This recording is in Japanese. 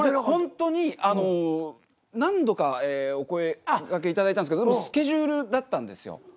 ほんとにあの何度かお声がけ頂いたんですけどでもスケジュールだったんですよ。